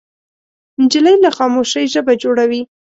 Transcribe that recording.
نجلۍ له خاموشۍ ژبه جوړوي.